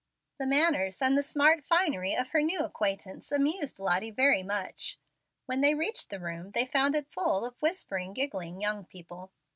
The manners and the smart finery of her new acquaintance amused Lottie very much. When they reached the room, they found it full of whispering, giggling young people.